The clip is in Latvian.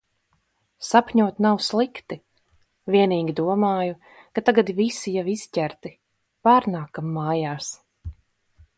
Sapņot nav slikti. Vienīgi domāju, ka tagad visi jau izķerti. Pārnākam mājas.